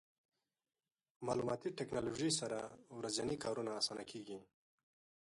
مالوماتي ټکنالوژي سره ورځني کارونه اسانه کېږي.